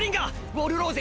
ウォール・ローゼ